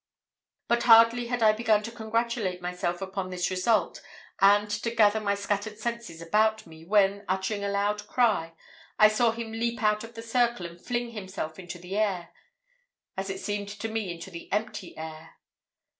"But hardly had I begun to congratulate myself upon this result, and to gather my scattered senses about me, when, uttering a loud cry, I saw him leap out of the circle and fling himself into the air—as it seemed to me, into the empty air.